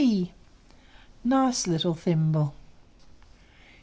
t! Nice little thimble!